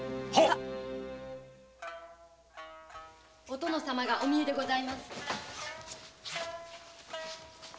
お殿様がお見えでございます。